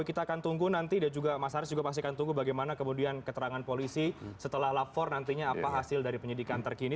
kita akan tunggu nanti dan juga mas haris juga pasti akan tunggu bagaimana kemudian keterangan polisi setelah lapor nantinya apa hasil dari penyidikan terkini